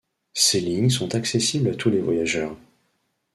Ces lignes sont accessibles à tous les voyageurs.